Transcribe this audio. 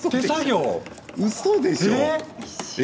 うそでしょう？